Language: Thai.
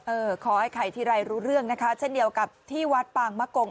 ขอให้ไข่ทีไรรู้เรื่องนะคะเช่นเดียวกับที่วัดปางมะกง